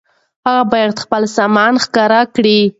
هغه بايد خپل سامان ښکاره کړي.